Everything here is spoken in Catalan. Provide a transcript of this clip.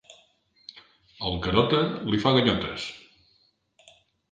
El Garota li fa ganyotes.